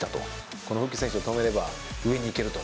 このフッキ選手を止めれば上にいけると。